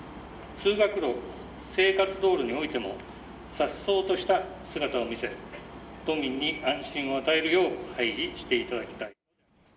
通学路、生活道路においてもさっそうとした姿を見せ、都民に安心を与えるよう配備していただきたい。